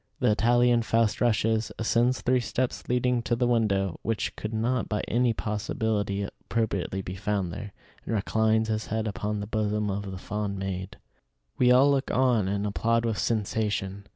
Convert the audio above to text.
The Italian Faust rushes, ascends three steps leading to the window, which could not by any possibility appropriately be found there, and reclines his head upon the bosom of the fond maid. We all look on and applaud with "sensation."